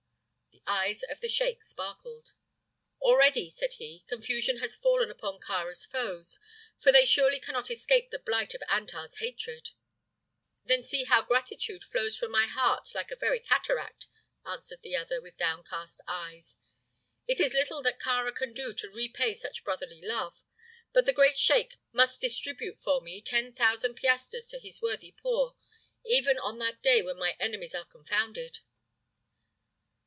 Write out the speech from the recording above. The eyes of the sheik sparkled. "Already," said he, "confusion has fallen upon Kāra's foes; for they surely cannot escape the blight of Antar's hatred!" "Then see how gratitude flows from my heart like a very cataract," answered the other, with downcast eyes. "It is little that Kāra can do to repay such brotherly love; but the great sheik must distribute for me ten thousand piastres to his worthy poor, even on that day when my enemies are confounded."